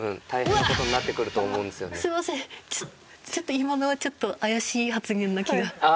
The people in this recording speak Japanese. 今のはちょっと怪しい発言な気が。